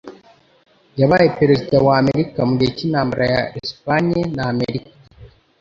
Yabaye perezida wa Amerika mugihe cy'intambara ya Espagne na Amerika